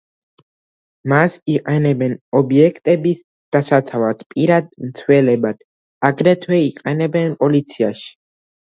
მას იყენებენ ობიექტების დასაცავად, პირად მცველებად, აგრეთვე იყენებენ პოლიციაში.